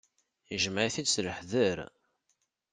Ijmeɛ-it-id s leḥder.